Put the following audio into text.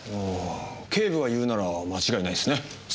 警部が言うなら間違いないっすね。